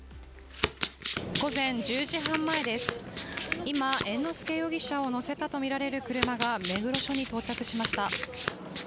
午前１０時半前です、今、猿之助容疑者を乗せたとみられる車が目黒署に到着しました。